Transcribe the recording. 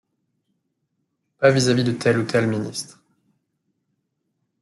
Pas vis-à-vis de tel ou tel ministre.